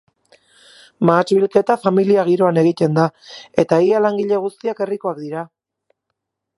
Mahats-bilketa familia giroan egiten da, eta ia langile guztiak herrikoak dira.